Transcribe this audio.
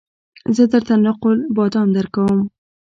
زه درته نقل بادام درکوم